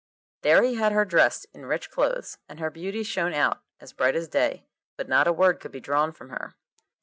There he had her dressed in rich clothes, and her beauty shone out as bright as day, but not a word could be drawn from her.